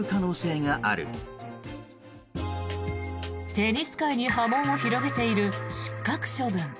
テニス界に波紋を広げている失格処分。